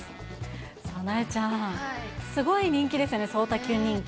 さあ、なえちゃん、すごい人気ですよね、聡太きゅん人気。